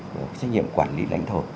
trách nhiệm quản lý lãnh thổ